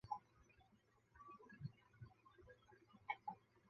有时在原子物理学中称为微微米。